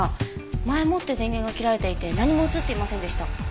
前もって電源が切られていて何も映っていませんでした。